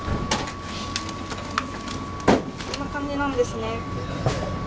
こんな感じなんですね。